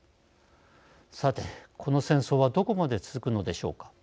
さて、この戦争はどこまで続くのでしょうか。